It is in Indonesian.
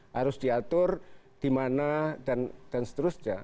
harus diatur di mana dan seterusnya